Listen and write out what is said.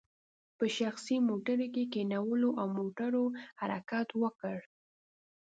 په شخصي موټرو کې یې کینولو او موټرو حرکت وکړ.